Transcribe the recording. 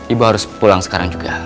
ibu harus pulang sekarang juga